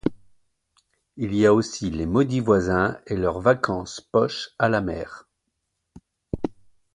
Il y a aussi les maudits voisins et leurs vacances poches à la mer.